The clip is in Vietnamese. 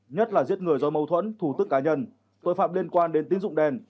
nhất là giết người do mâu thuẫn thủ tức cá nhân tội phạm liên quan đến tín dụng đen